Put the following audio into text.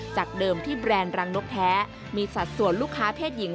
จากเดิมที่แบรนด์รังนกแท้มีสัดส่วนลูกค้าเพศหญิง